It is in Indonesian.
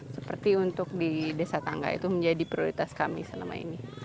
seperti untuk di desa tangga itu menjadi prioritas kami selama ini